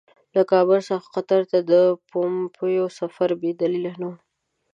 له کابل څخه قطر ته د پومپیو سفر بې دلیله نه وو.